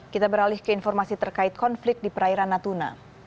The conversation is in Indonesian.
kita beralih ke informasi terkait konflik di perairan natuna